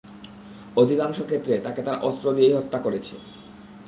অধিকাংশ ক্ষেত্রে তাকে তার অস্ত্র দিয়েই হত্যা করেছে।